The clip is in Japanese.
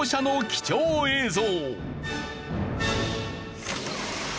貴重映像。